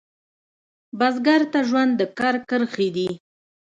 بزګر ته ژوند د کر کرښې دي